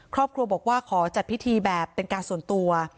ครอบครัวบอกว่าขอจัดพิธีแบบเป็นการส่วนตัว